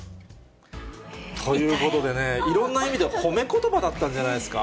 ということでね、いろんな意味で褒めことばだったんじゃないですか？